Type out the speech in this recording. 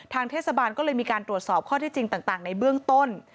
เทศบาลก็เลยมีการตรวจสอบข้อที่จริงต่างในเบื้องต้น